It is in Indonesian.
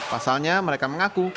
pasalnya mereka mengaku